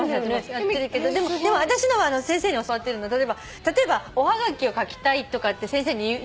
やってるけどでも私のは先生に教わってるのは例えばおはがきを書きたいとかって先生に言うんですよ。